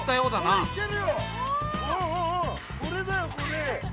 おおこれだよこれ！